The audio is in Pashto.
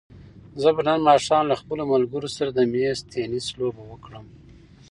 زه به نن ماښام له خپلو ملګرو سره د مېز تېنس لوبه وکړم.